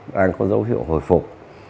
đang có dấu hiệu hồi phục